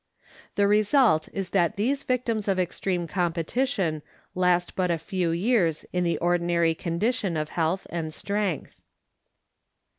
The result is that these victims of extreme compe tition last but few years in the ordinary condition of health and strength.